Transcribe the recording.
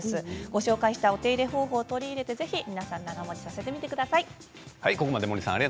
ご紹介したお手入れ方法などを取り入れてぜひ皆さん長もちさせてください。